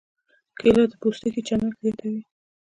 کېله د پوستکي چمک زیاتوي.